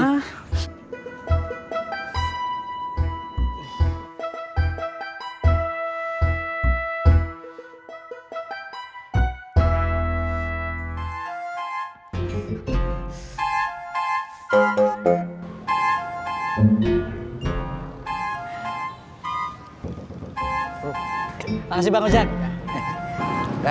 makasih bang ustaz